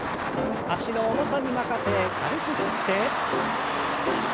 脚の重さに任せ軽く振って。